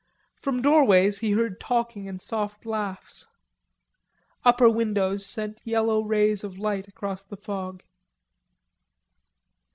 From doorways he heard talking and soft laughs. Upper windows sent yellow rays of light across the fog.